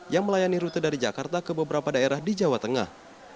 yang melayani rute dari jakarta ke beberapa daerah di jawa tengah